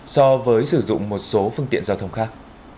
so với sử dụng một số phương tiện giao thông khác